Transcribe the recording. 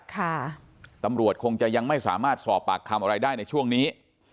ตำรวจคงจะยังไม่สามารถสอบปากคำอะไรได้ในช่วงนี้